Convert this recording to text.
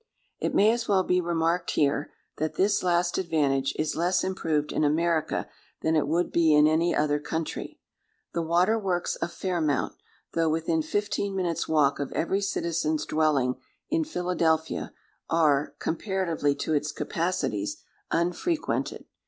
It may as well be remarked here, that this last advantage is less improved in America than it would be in any other country. The Water works of Fair Mount, though within fifteen minutes' walk of every citizen's dwelling in Philadelphia, are (comparatively to its capacities) unfrequented.